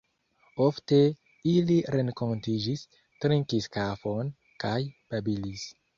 Ofte ili renkontiĝis, trinkis kafon kaj babilis.